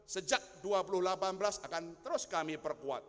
sejak dua ribu delapan belas akan terus kami perkuat